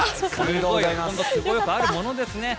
都合よくあるものですね。